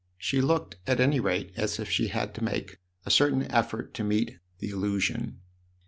She looked, at any rate, as if she had to make a certain effort to meet the allusion.